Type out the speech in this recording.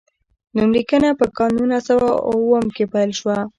نوم لیکنه په کال نولس سوه اووم کې پیل شوه.